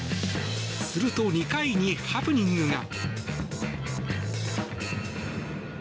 すると、２回にハプニングが。